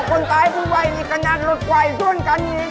คนตายพูดว่ายในการรถไหวนี่ด้วยกันนี่